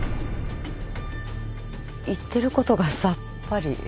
言ってることがさっぱり。